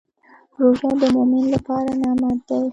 روژه د مؤمن لپاره نعمت دی.